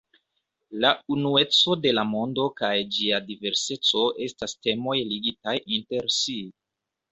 La unueco de la mondo kaj ĝia diverseco estas temoj ligitaj inter si.